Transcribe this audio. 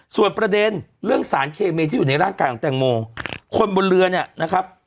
ส่วนประเด็นเรื่องสารเคมีที่อยู่ในร่างกายของแตงโมคนบนเรือเนี่ยนะครับ